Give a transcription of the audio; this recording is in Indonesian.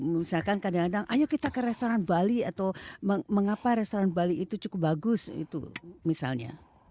misalkan kadang kadang ayo kita ke restoran bali atau mengapa restoran bali itu cukup bagus itu misalnya